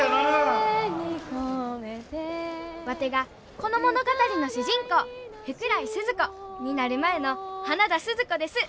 「胸にこめて」ワテがこの物語の主人公福来スズ子！になる前の花田鈴子です！